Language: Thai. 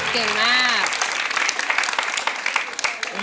เก่งมาก